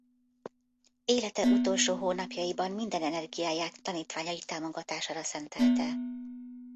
Élete utolsó hónapjaiban minden energiáját tanítványai támogatására szentelte.